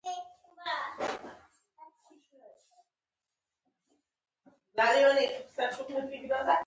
د بښنې غوښتنه د مؤمن نښه ده.